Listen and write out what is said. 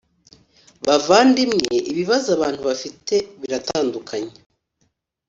Bavandimwe ibibazo abantu bafite biratandukanye